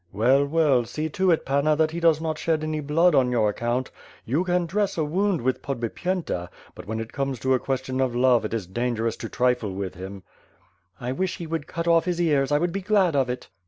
"Well, well, see to it, Panna, that he does not shed any blood on your account. You can dress a wound with Pod bipyenta, but when it comes to a question of love it is dan gerous to trifle with him/' "I wish he would cut off his ears, I would be glad of it.